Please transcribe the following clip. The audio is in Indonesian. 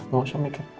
gak usah mikirin nino